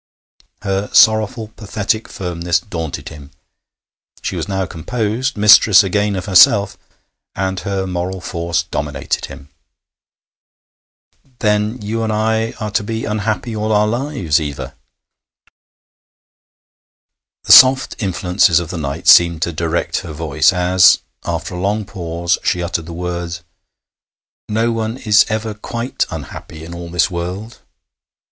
Her sorrowful, pathetic firmness daunted him. She was now composed, mistress again of herself, and her moral force dominated him. 'Then, you and I are to be unhappy all our lives, Eva?' The soft influences of the night seemed to direct her voice as, after a long pause, she uttered the words: 'No one is ever quite unhappy in all this world.'